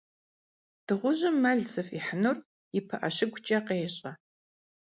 Dığujım mel zıf'ihınur yi pı'e şıguç'e khêş'e.